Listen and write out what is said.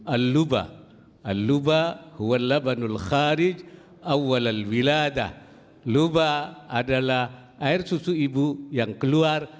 al lubah al lubah huwal labanul kharij awal al wiladah lubah adalah air susu ibu yang keluar